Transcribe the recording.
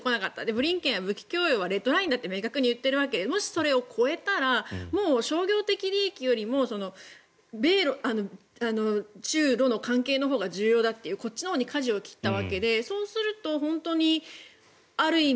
ブリンケンは武器供与はレッドラインだといっていてそれを越えたら商業的利益よりも米中ロの関係のほうが重要だというこっちのほうにかじを切ったわけでそうすると本当にある意味